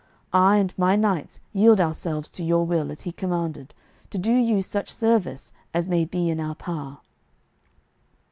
I and my knights yield ourselves to your will, as he commanded, to do you such service as may be in our power."